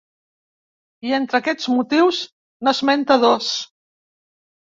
I entre aquests motius, n’esmenta dos.